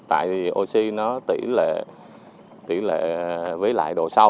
tại vì oxy nó tỷ lệ với lại độ sâu